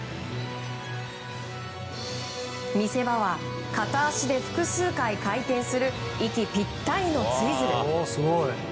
見せ場は片足で複数回、回転する息ぴったりのツイズル。